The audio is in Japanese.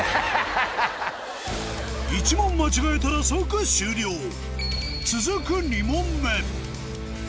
１問間違えたら即終了続く